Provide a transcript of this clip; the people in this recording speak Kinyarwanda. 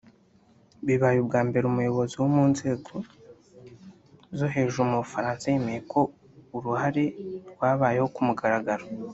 Bibaye ubwa mbere umuyobozi wo mu nzego zo hejuru mu Bufaransa yemera ko uru ruhare rwabayeho ku mugaragaro